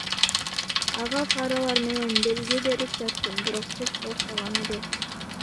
Ага фаралар менен белги берип жатттым, бирок кеч болуп калган эле.